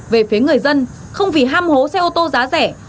về phía người dân không vì ham hố xe ô tô giá rẻ